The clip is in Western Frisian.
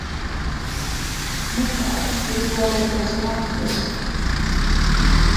Mefrou, witte jo wêr't it restaurant is?